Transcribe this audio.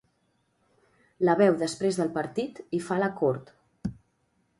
La veu després del partit i fa la cort.